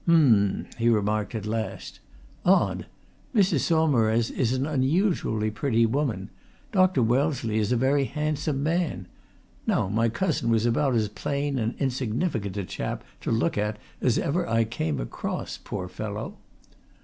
"Um!" he remarked at last. "Odd! Mrs. Saumarez is an unusually pretty woman. Dr. Wellesley is a very handsome man. Now, my cousin was about as plain and insignificant a chap to look at as ever I came across poor fellow!"